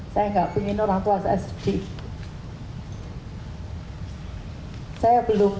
saya nggak ingin orang tua saya sedih